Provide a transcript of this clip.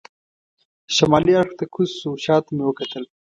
شمالي اړخ ته کوز شو، شا ته مې وکتل.